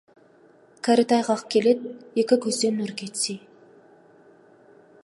Кәрі тайғақ келеді, екі көзден нұр кетсе.